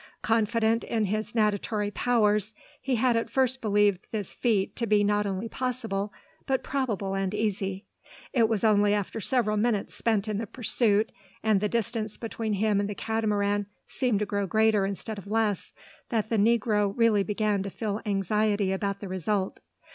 Confident in his natatory powers, he had at first believed this feat to be not only possible, but probable and easy. It was only after several minutes spent in the pursuit, and the distance between him and the Catamaran seemed to grow greater instead of less, that the negro really began to feel anxiety about the result.